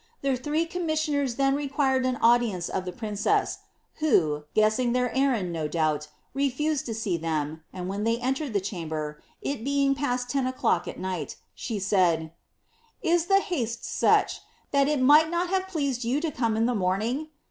The three commissioners then required an audience of the princess, who, guessing their errand no doubt, refused to see them, and when they entered the chamber, it being then past ten o'clock at night, she Mid, ^ Is the haste such, that it might not have pleased you to come in the morning